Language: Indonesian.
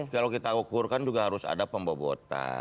kalau kita ukur kan juga harus ada pembobotan